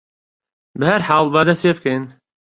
بەهەرحاڵ با دەست پێ بکەین.